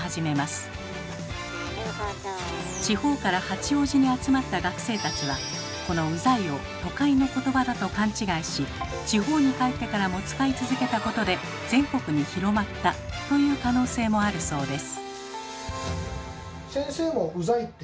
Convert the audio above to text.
地方から八王子に集まった学生たちはこの「うざい」を都会の言葉だと勘違いし地方に帰ってからも使い続けたことで全国に広まったという可能性もあるそうです。